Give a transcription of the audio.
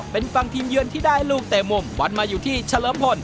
เป็นฝั่งทีมเยือนที่ได้ลูกเตะมุมวันมาอยู่ที่เฉลิมพล